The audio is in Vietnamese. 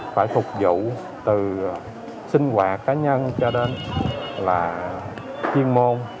phải phục vụ từ sinh hoạt cá nhân cho đến là chuyên môn